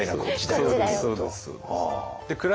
そうですそうです。